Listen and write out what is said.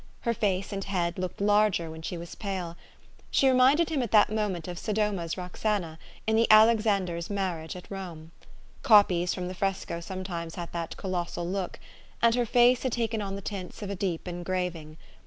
Her face and head looked larger when she was pale. She reminded him at that moment of Soddoma's Roxana, in the Alexander's marriage at Rome. Copies from the fresco sometimes had that colossal look, and her face had taken on the tints of a deep engraving.